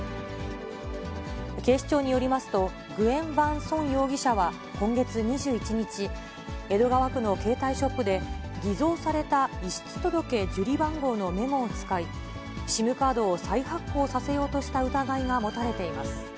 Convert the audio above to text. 警視庁によりますと、グエン・ヴァン・ソン容疑者は、今月２１日、江戸川区の携帯ショップで、偽造された遺失届受理番号のメモを使い、ＳＩＭカードを再発行させようとした疑いが持たれています。